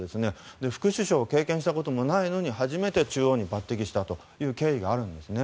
副首相を経験したことないのに初めて中央に抜擢したという経緯があるんですね。